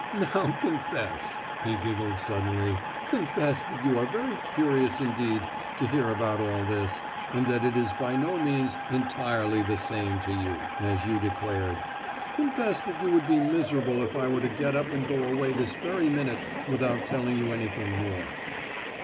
"Now confess," he giggled suddenly, "confess that you are very curious indeed to hear about all this, and that it is by no means 'entirely the same to you,' as you declared! Confess that you would be miserable if I were to get up and go away this very minute without telling you anything more."